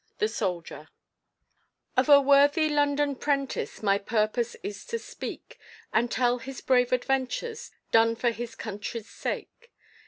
THE SOLDIER "Of a worthy London prentice My purpose is to speak, And tell his brave adventures Done for his country's sake.